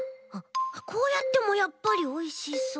こうやってもやっぱりおいしそう。